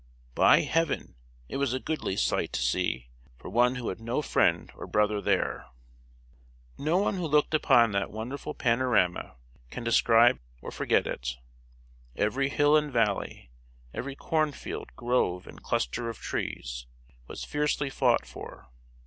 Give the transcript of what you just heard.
"By Heaven! it was a goodly sight to see, For one who had no friend or brother there." No one who looked upon that wonderful panorama can describe or forget it. Every hill and valley, every corn field, grove, and cluster of trees, was fiercely fought for.